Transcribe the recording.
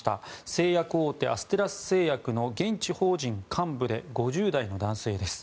製薬大手アステラス製薬の現地法人幹部で５０代の男性です。